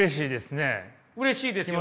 うれしいですよね。